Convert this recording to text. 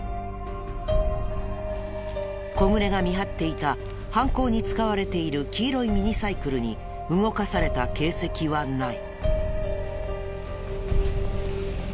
小暮が見張っていた犯行に使われている黄色いミニサイクルに動かされた形跡はない。